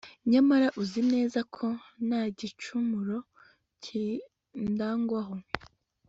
nyamara uzi neza ko nta gicumuro kindangwaho